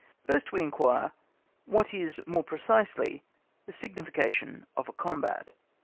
First we inquire what is more precisely the signification of a combat.